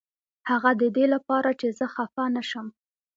هغه ددې لپاره چې زه خفه نشم.